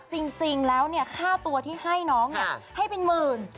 จริงแล้วค่าตัวที่ให้น้องให้เป็นหมื่น